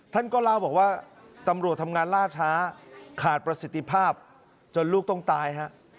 ท่านก็เล่าบอกว่าตำรวจทำงานล่าช้าขาดประสิทธิภาพจนลูกต้องตายฮะ